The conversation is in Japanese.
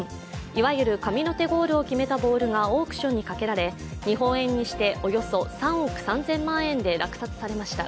いわゆる神の手ゴールを決めたボールがオークションにかけられ日本円にしておよそ３億３０００万円で落札されました。